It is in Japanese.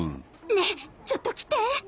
ねえちょっと来て！